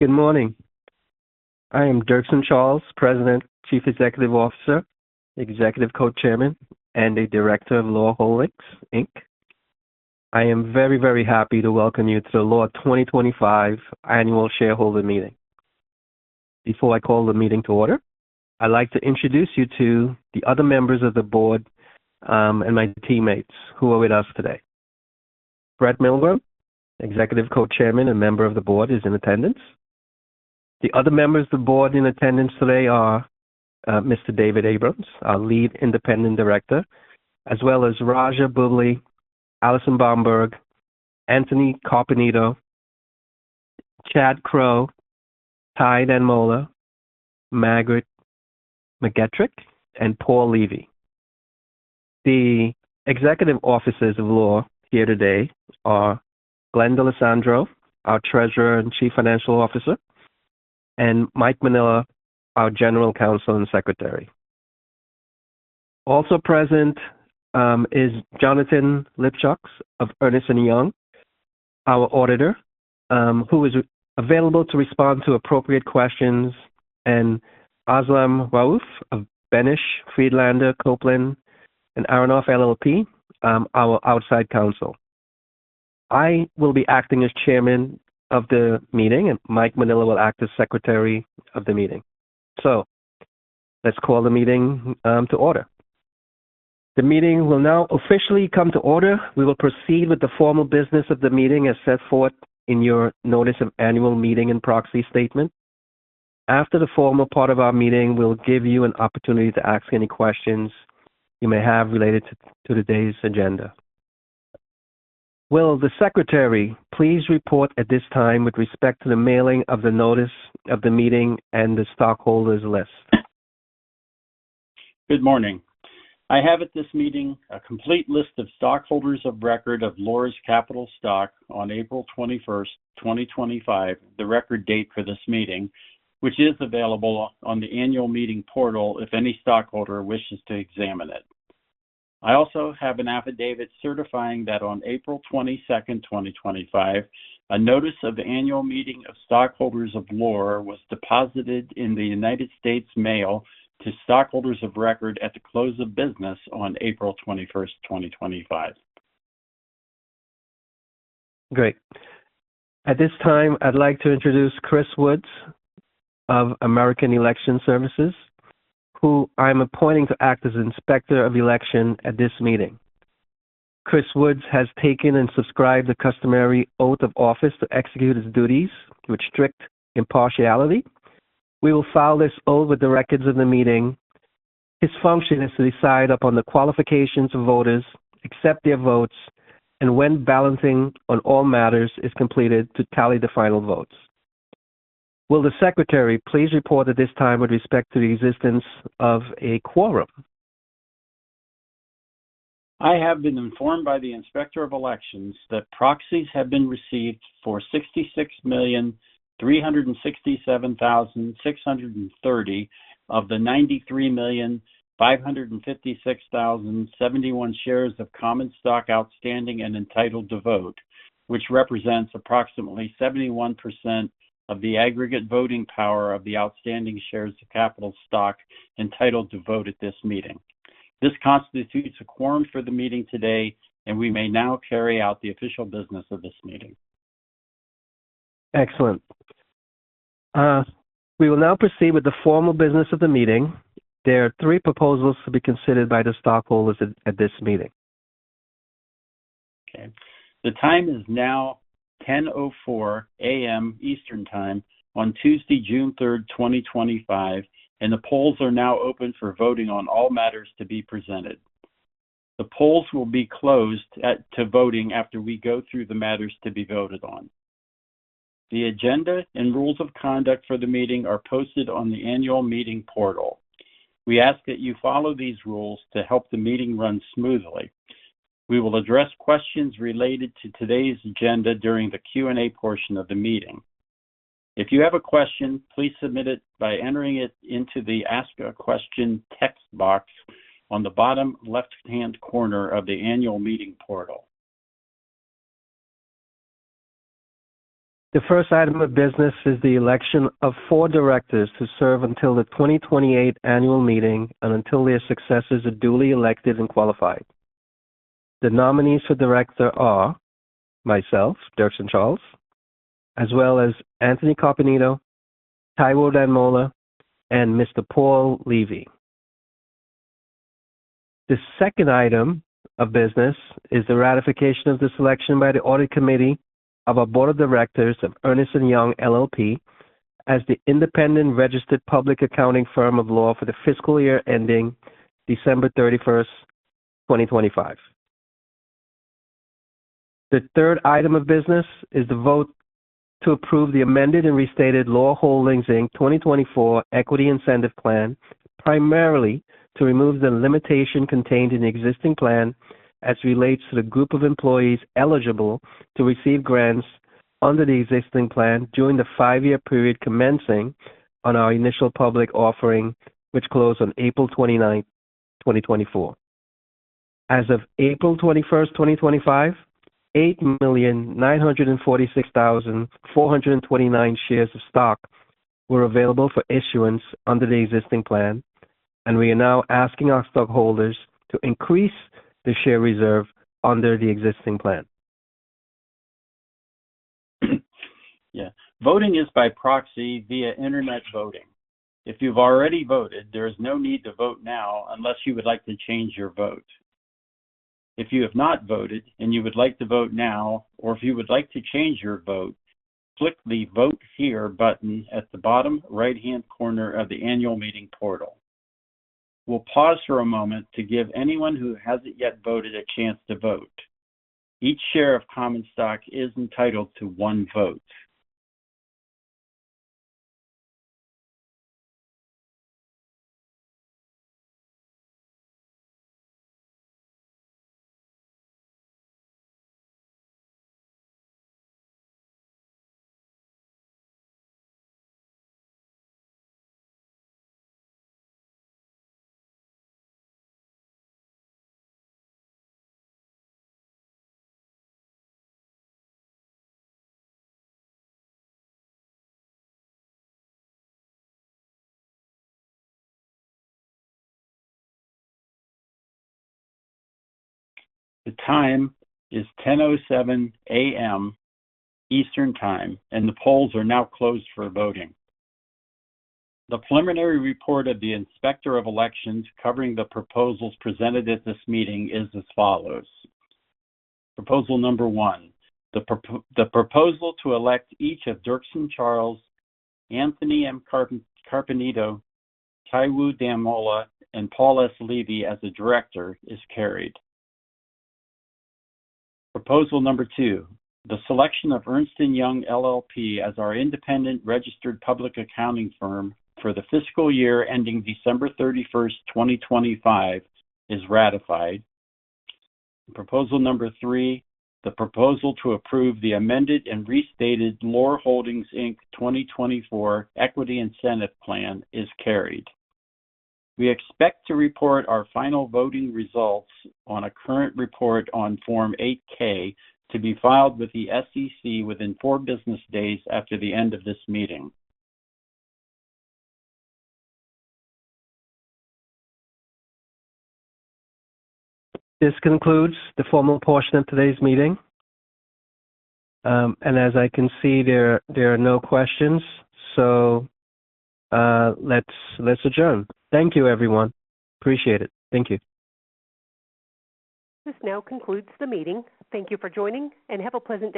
Good morning. I am Dirkson Charles, President, Chief Executive Officer, Executive Co-Chairman, and the Director of Loar Holdings. I am very, very happy to welcome you to the Loar 2025 annual shareholder meeting. Before I call the meeting to order, I'd like to introduce you to the other members of the board and my teammates who are with us today. Brett Milgrim, Executive Co-Chairman and member of the board, is in attendance. The other members of the board in attendance today are Mr. David Abrams, our Lead Independent Director, as well as Raja Bobbili, Alison Bomberg, Anthony Carpenito, Chad Crow, Tai Danmola, Margaret McGetrick, and Paul Levy. The executive officers of Loar here today are Glenn D'Alessandro, our Treasurer and Chief Financial Officer, and Mike Manila, our General Counsel and Secretary. Also present is Jonathan Lipschutz of Ernst & Young, our Auditor, who is available to respond to appropriate questions, and Aslam Rawoof of Benesch Friedlander Coplan & Aronoff LLP, our Outside Counsel. I will be acting as Chairman of the meeting, and Mike Manila will act as Secretary of the meeting. Let's call the meeting to order. The meeting will now officially come to order. We will proceed with the formal business of the meeting as set forth in your Notice of Annual Meeting and Proxy Statement. After the formal part of our meeting, we'll give you an opportunity to ask any questions you may have related to today's agenda. Will the Secretary please report at this time with respect to the mailing of the Notice of the Meeting and the stockholders' list? Good morning. I have at this meeting a complete list of stockholders of record of Loar's capital stock on April 21st, 2025, the record date for this meeting, which is available on the Annual Meeting portal if any stockholder wishes to examine it. I also have an affidavit certifying that on April 22nd, 2025, a Notice of the Annual Meeting of Stockholders of Loar was deposited in the United States mail to stockholders of record at the close of business on April 21, 2025. Great. At this time, I'd like to introduce Chris Woods of American Election Services, who I'm appointing to act as Inspector of Elections at this meeting. Chris Woods has taken and subscribed the customary oath of office to execute his duties with strict impartiality. We will file this oath with the records of the meeting. His function is to decide upon the qualifications of voters, accept their votes, and when balloting on all matters is completed to tally the final votes. Will the Secretary please report at this time with respect to the existence of a quorum? I have been informed by the Inspector of Elections that proxies have been received for 66,367,630 of the 93,556,071 shares of common stock outstanding and entitled to vote, which represents approximately 71% of the aggregate voting power of the outstanding shares of capital stock entitled to vote at this meeting. This constitutes a quorum for the meeting today, and we may now carry out the official business of this meeting. Excellent. We will now proceed with the formal business of the meeting. There are three proposals to be considered by the stockholders at this meeting. Okay. The time is now 10:04 A.M. Eastern Time on Tuesday, June 3rd, 2025, and the polls are now open for voting on all matters to be presented. The polls will be closed to voting after we go through the matters to be voted on. The agenda and rules of conduct for the meeting are posted on the Annual Meeting portal. We ask that you follow these rules to help the meeting run smoothly. We will address questions related to today's agenda during the Q&A portion of the meeting. If you have a question, please submit it by entering it into the Ask a Question text box on the bottom left-hand corner of the Annual Meeting portal. The first item of business is the election of four directors to serve until the 2028 Annual Meeting and until their successors are duly elected and qualified. The nominees for director are myself, Dirkson Charles, as well as Anthony M. Carpenito, Taiwo Danmola, and Mr. Paul Levy. The second item of business is the ratification of the selection by the Audit Committee of our Board of Directors of Ernst & Young LLP as the independent registered public accounting firm of Loar for the fiscal year ending December 31st, 2025. The third item of business is the vote to approve the amended and restated Loar Holdings Inc 2024 Equity Incentive Plan Primarily to remove the limitation contained in the existing plan as it relates to the group of employees eligible to receive grants under the existing plan during the five-year period commencing on our initial public offering, which closed on April 29th, 2024. As of April 21st, 2025, 8,946,429 shares of stock were available for issuance under the existing plan, and we are now asking our stockholders to increase the share reserve under the existing plan. Yeah. Voting is by proxy via internet voting. If you've already voted, there is no need to vote now unless you would like to change your vote. If you have not voted and you would like to vote now, or if you would like to change your vote, click the Vote Here button at the bottom right-hand corner of the Annual Meeting portal. We'll pause for a moment to give anyone who hasn't yet voted a chance to vote. Each share of common stock is entitled to one vote. The time is 10:07 A.M. Eastern Time, and the polls are now closed for voting. The preliminary report of the Inspector of Elections covering the proposals presented at this meeting is as follows. Proposal number one, the proposal to elect each of Dirkson Charles, Anthony M. Carpenito, Taiwo Danmola and Paul Levy as the Director is carried. Proposal number two, the selection of Ernst & Young LLP as our independent registered public accounting firm for the fiscal year ending December 31st, 2025, is ratified. Proposal number three, the proposal to approve the amended and restated Loar Holdings Inc 2024 Equity Incentive Plan is carried. We expect to report our final voting results on a current report on Form 8-K to be filed with the SEC within four business days after the end of this meeting. This concludes the formal portion of today's meeting. As I can see, there are no questions. Let's adjourn. Thank you, everyone. Appreciate it. Thank you. This now concludes the meeting. Thank you for joining and have a pleasant day.